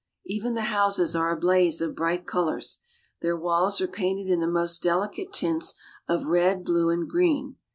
Even the houses are a blaze of bright colors. Their walls are painted in the most delicate tints of red, blue, and green.